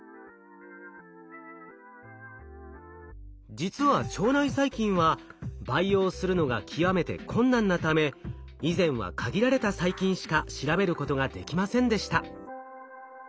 実は腸内細菌は培養するのが極めて困難なため以前は限られた細菌しか調べることができませんでした。